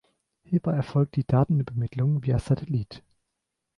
Hierbei erfolgt die Datenübermittlung via Satellit.